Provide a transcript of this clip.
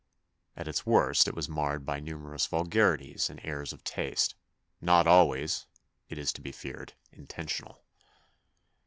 At its worst it was marred by numerous vulgarities and errors of taste, not always, it is to be feared, intentional.